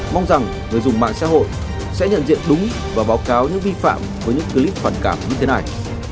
mong rằng người dùng mạng xã hội sẽ nhận diện đúng và báo cáo những vi phạm với những clip phản cảm như thế này